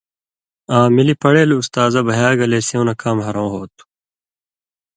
آں ملی پڑیل استازہ بھیاگلے سیوں نہ کام ہرؤں ہو تُھو۔